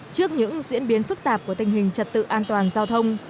trước những diễn biến phức tạp của tình hình trật tự an toàn giao thông